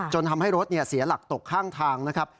ทำให้รถเสียหลักตกข้างทางนะครับ